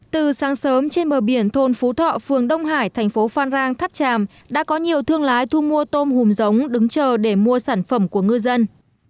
từ sáng sớm trên bờ biển thôn phú thọ phường đông hải thành phố phan rang tháp tràm đã có nhiều thương lái thu mua tôm hùm giống đứng chờ để mua sản phẩm của ngư dân